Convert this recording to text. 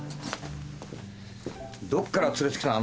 どっから連れてきたの？